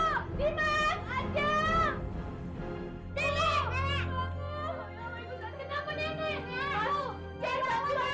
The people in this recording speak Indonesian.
wah kinerah kesempatan ya ibu kasihan